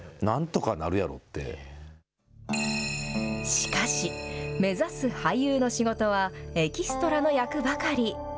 しかし、目指す俳優の仕事はエキストラの役ばかり。